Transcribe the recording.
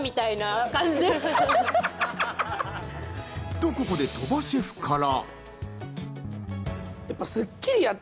と、ここで鳥羽シェフから。